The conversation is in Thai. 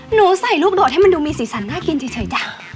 หนูใส่ลูกโดดให้มันดูมีสีสันน่ากินเฉยจ้ะ